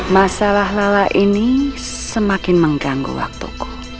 masalah lala ini semakin mengganggu waktuku